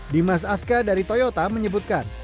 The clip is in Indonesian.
dimas aska dari toyota menyebutkan